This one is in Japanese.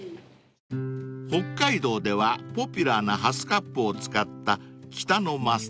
［北海道ではポピュラーなハスカップを使った］